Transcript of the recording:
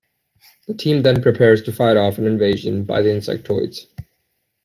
The team then prepares to fight off an invasion by the insectoids.